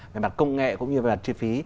về mặt công nghệ cũng như về mặt chi phí